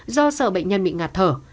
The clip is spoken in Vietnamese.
do sợ bệnh nhân bị ngạt thở